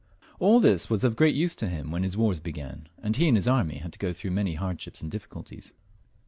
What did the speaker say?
AU this was of great use to him when his wars began, and he and his army had to go through many hard ships and difficulties.